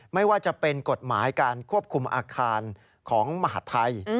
ไม่ว่าจะเป็นกฎหมายการควบคุมอาคารของมหาดไทย